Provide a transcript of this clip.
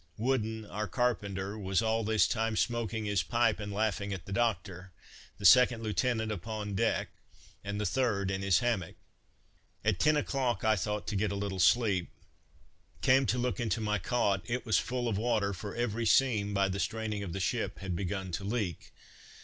Wooden, our carpenter, was all this time smoking his pipe and laughing at the doctor; the second lieutenant upon deck, and the third in his hammock. At ten o'clock I thought to get a little sleep; came to look into my cot; it was full of water; for every seam, by the straining of the ship, had began to leak.